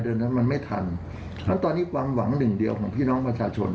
เดือนนั้นมันไม่ทันแล้วตอนนี้ความหวังหนึ่งเดียวของพี่น้องประชาชน